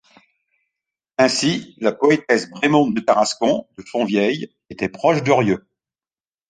Ainsi, la poétesse Brémonde de Tarascon, de Fontvieille, était proche de Rieu.